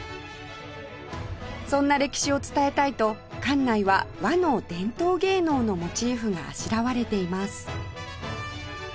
そんな歴史を伝えたいと館内は和の伝統芸能のモチーフがあしらわれています